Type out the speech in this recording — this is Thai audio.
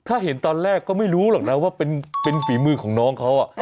ถ้าเห็นตอนแรกก็ไม่รู้หรอกนะว่าเป็นฝีมือของน้องเขา